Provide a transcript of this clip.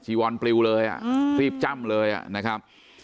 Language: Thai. ชีวรปลิวเลยอ่ะรีบจ้ำเลยอ่ะนะครับ